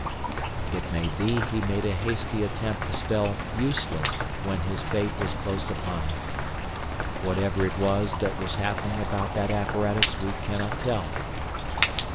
It may be he made a hasty attempt to spell "useless" when his fate was close upon him. Whatever it was that was happening about that apparatus we cannot tell.